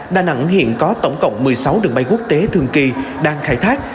đà nẵng hiện có tổng cộng một mươi sáu đường bay quốc tế thường kỳ đang khai thác